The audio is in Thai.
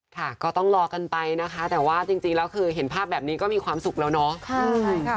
ค่ะก็ต้องรอกันไปนะคะแต่ว่าจริงแล้วคือเห็นภาพแบบนี้ก็มีความสุขแล้วเนาะ